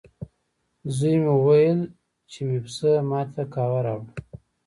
زوی مې وویل، چې مې پسه ما ته قهوه راوړه.